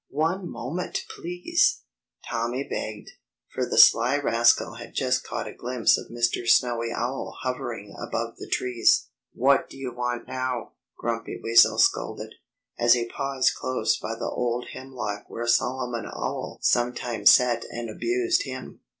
"One moment, please!" Tommy begged, for the sly rascal had just caught a glimpse of Mr. Snowy Owl hovering above the trees. "What do you want now?" Grumpy Weasel scolded, as he paused close by the old hemlock where Solomon Owl sometimes sat and abused him.